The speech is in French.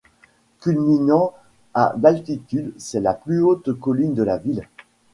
Culminant à d'altitude, c'est la plus haute colline de la ville.